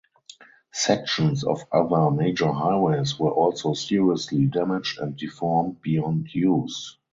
Sections of other major highways were also seriously damaged and deformed beyond use.